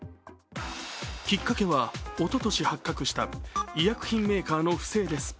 きっかけはおととし発覚した医薬品メーカーの不正です。